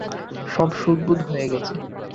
সব শোধবোধ হয়ে গেছে।